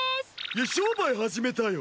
商売始めたよ。